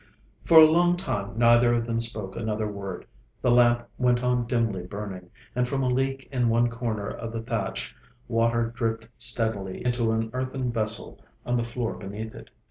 For a long time neither of them spoke another word. The lamp went on dimly burning, and from a leak in one corner of the thatch water dripped steadily into an earthen vessel on the floor beneath it.